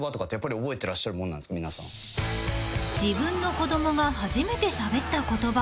［自分の子供が初めてしゃべった言葉］